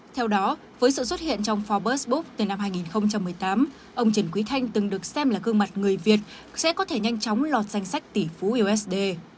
theo đó với sự xuất hiện trong forbes book từ năm hai nghìn một mươi tám ông trần quý thanh từng được xem là gương mặt người việt sẽ có thể nhanh chóng lọt danh sách tỷ phú usd